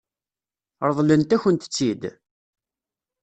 Ṛeḍlent-akent-tt-id?